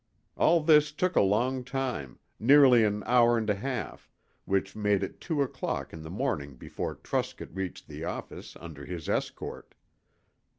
All this took a long time, nearly an hour and a half, which made it two o'clock in the morning before Truscott reached the office under his escort.